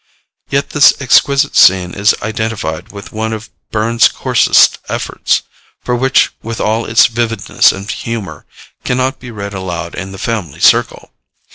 Yet this exquisite scene is identified with one of Burns's coarsest efforts one which, with all its vividness and humor, cannot be read aloud in the family circle.